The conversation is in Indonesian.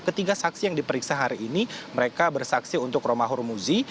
ketiga saksi yang diperiksa hari ini mereka bersaksi untuk romahur muzi